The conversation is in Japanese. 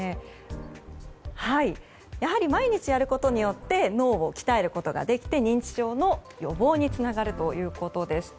やはり毎日やることによって脳を鍛えることができて認知症の予防につながるということでした。